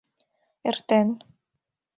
«Эртен...